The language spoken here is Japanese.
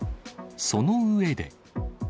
その上で。